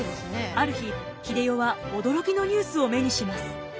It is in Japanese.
ある日英世は驚きのニュースを目にします。